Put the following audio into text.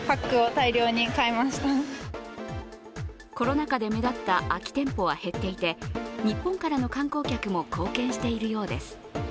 コロナ禍で目立った空き店舗は減っていて、日本からの観光客も貢献しているようです。